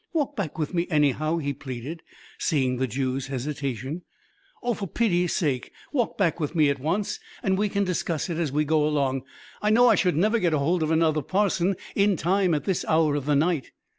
Walk back with me, anyhow," he pleaded, seeing the Jew's hesitation, "Oh! for pity's sake, walk back with me at once and we can discuss it as we go along. I know I should never get hold of another parson in time at this hour of the night."